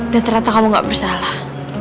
dan ternyata kamu nggak bersalah